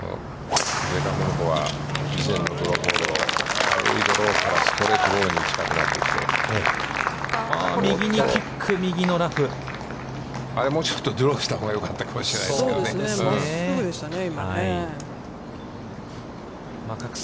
あれもうちょっとドローしたほうがよかったかもしれないですけどね。